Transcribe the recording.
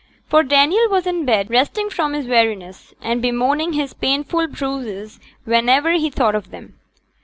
For Daniel was in bed, resting from his weariness, and bemoaning his painful bruises whenever he thought of them.